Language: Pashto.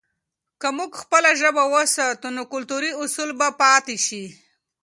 که موږ خپله ژبه وساتو، نو کلتوري اصل به پاته سي.